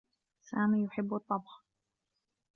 سامي يحبّ الطّبخ.